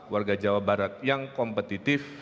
warga jawa barat yang kompetitif